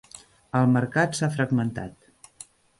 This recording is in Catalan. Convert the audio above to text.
El mercat s'ha fragmentat.